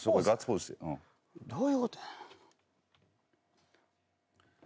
どういうことや。